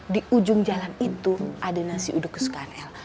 di ujung jalan itu ada nasi uduk kesukaan el